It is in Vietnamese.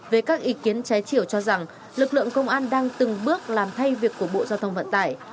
về các ý kiến trái chiều cho rằng lực lượng công an đang từng bước làm thay việc của bộ giao thông vận tải